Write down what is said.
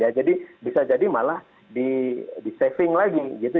ya jadi bisa jadi malah di saving lagi gitu